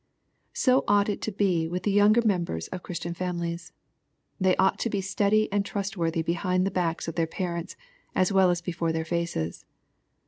So ought it to be with the younger members of Chris tian families. They ought to be steady and trustworthy behind the backs of their parents, as well as before their faces.